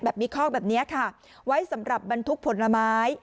มีคอกแบบนี้ค่ะไว้สำหรับบรรทุกผลไม้